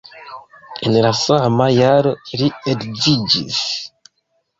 En la sama jaro li edziĝis.